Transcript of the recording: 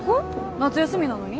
夏休みなのに？